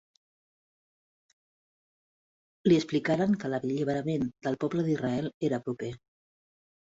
Li explicaren que l'alliberament del poble d'Israel era proper.